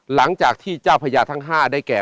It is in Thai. หลังจากที่เจ้าพญาทั้ง๕ได้แก่